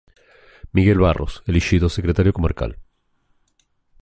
Miguel Barros elixido secretario comarcal